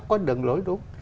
có đường lối đúng